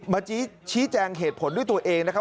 มาชี้แจงเหตุผลด้วยตัวเองนะครับ